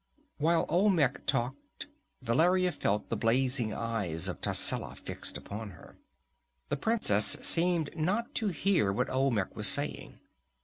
While Olmec talked, Valeria felt the blazing eyes of Tascela fixed upon her. The princess seemed not to hear what Olmec was saying.